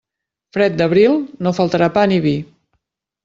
Fred d'Abril, no faltarà pa ni vi.